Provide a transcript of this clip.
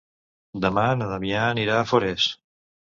Demà na Damià anirà a Forès.